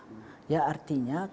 artinya peraturan ini sudah ada